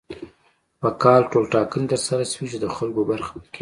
په کال ټولټاکنې تر سره شوې چې د خلکو برخه پکې وه.